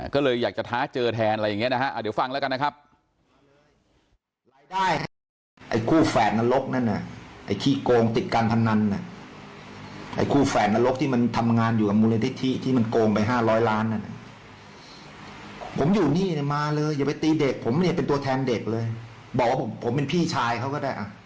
ก็เลยอยากจะท้าเจอแทนอะไรอย่างนี้นะฮะเดี๋ยวฟังแล้วกันนะครับ